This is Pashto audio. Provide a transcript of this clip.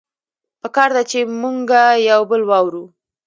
پکار ده چې مونږه يو بل واورو